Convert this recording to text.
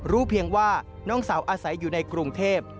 เพียงว่าน้องสาวอาศัยอยู่ในกรุงเทพ